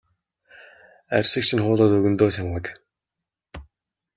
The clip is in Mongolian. Арьсыг чинь хуулаад өгнө дөө чамайг.